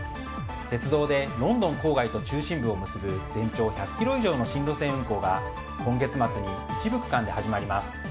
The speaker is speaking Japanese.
鉄道でロンドン郊外と中心部を結ぶ全長１００ｋｍ以上の新路線運行が今月末に一部区間で始まります。